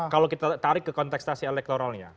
kalau kita tarik ke kontestasi elektoralnya